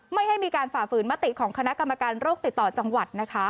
ไม่ให้มีการฝ่าฝืนมติของคณะกรรมการโรคติดต่อจังหวัดนะคะ